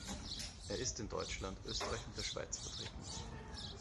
Er ist in Deutschland, Österreich und der Schweiz vertreten.